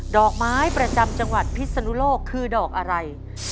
ดอกไม้ประจำจังหวัดพิศนุโลกคือดอกอะไร